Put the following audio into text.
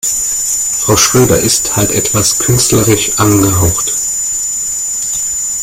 Frau Schröder ist halt etwas künstlerisch angehaucht.